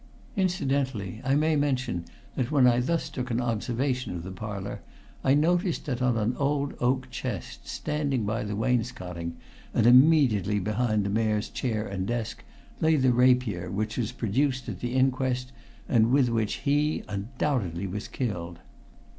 Incidentally, I may mention that when I thus took an observation of the parlour I noticed that on an old oak chest, standing by the wainscoting and immediately behind the Mayor's chair and desk, lay the rapier which was produced at the inquest, and with which he, undoubtedly, was killed.